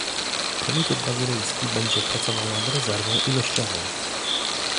Komitet Bazylejski będzie pracował nad rezerwą ilościową